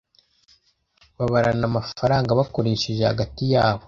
babarana amafaranga bakoresheje hagati yabo